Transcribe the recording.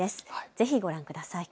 ぜひご覧ください。